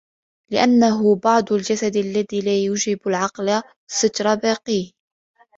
لِأَنَّهُ بَعْضُ الْجَسَدِ الَّذِي لَا يُوجِبُ الْعَقْلُ سَتْرَ بَاقِيهِ